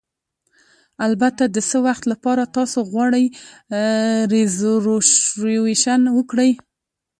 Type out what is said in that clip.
البته، د څه وخت لپاره تاسو غواړئ ریزرویشن وکړئ؟